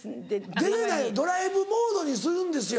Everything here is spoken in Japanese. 出れないドライブモードにするんですよ。